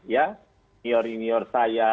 ya senior senior saya